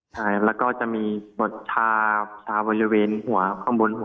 ใช่แล้วก็จะมีบทชาบริเวณหัวข้างบนหัว